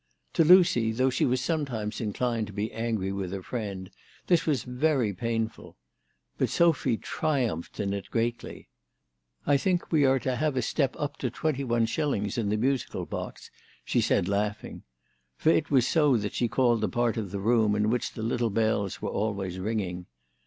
To Lucy, though she was. sometimes inclined to be angry with her friend, this was very painful. But Sophy triumphed in it greatly. " I think we are to have a step up to 2Ls. in the musical box," she said laughing. For it was so that she called the part of the room in which the little bells were always ringing.